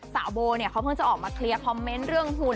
โบเนี่ยเขาเพิ่งจะออกมาเคลียร์คอมเมนต์เรื่องหุ่น